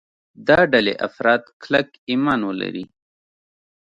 د ډلې افراد کلک ایمان ولري.